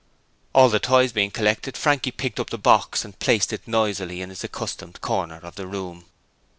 All the toys being collected, Frankie picked up the box and placed it noisily in its accustomed corner of the room.